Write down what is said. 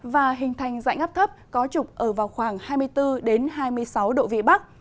và hình thành dạng áp thấp có trục ở khoảng hai mươi bốn hai mươi sáu độ vị bắc